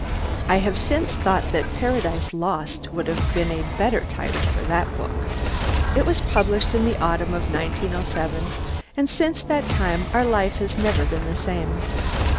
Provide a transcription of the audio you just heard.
I have since thought that "Paradise Lost" would have been a better title for that book. It was published in the autumn of 1907, and since that time our life has never been the same.